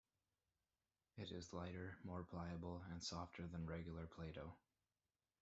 It is lighter, more pliable, and softer than regular Play-Doh.